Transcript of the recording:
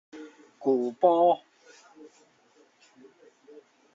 舊廍